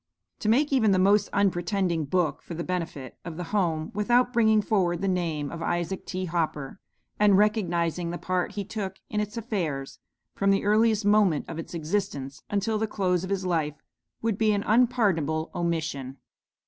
To make even the most unpretending book for the benefit of 'The Home,' without bringing forward the name of Isaac T. Hopper, and recognizing the part he took in its affairs, from the earliest moment of its existence until the close of his life, would be an unpardonable omission.